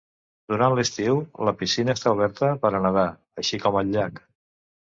Durant l'estiu la piscina està oberta per a nedar, així com el llac.